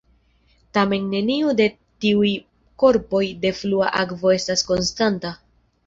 Tamen neniu de tiuj korpoj de flua akvo estas konstanta.